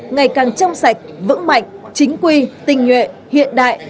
ngày càng trong sạch vững mạnh chính quy tình nguyện hiện đại